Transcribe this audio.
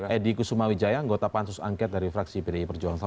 edi kusuma wijaya anggota pansus angket dari fraksi pdi perjuangan